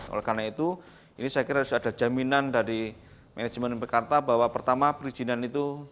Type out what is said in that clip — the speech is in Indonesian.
oleh karena itu ini saya kira sudah ada jaminan dari manajemen bekarta bahwa pertama perizinan itu